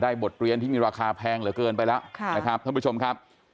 บทเรียนที่มีราคาแพงเหลือเกินไปแล้วนะครับท่านผู้ชมครับ